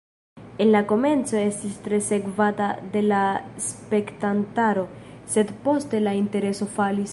En la komenco estis tre sekvata de la spektantaro, sed poste la intereso falis.